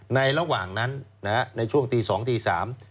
ในระหว่างนั้นในช่วงตีสองตีสาม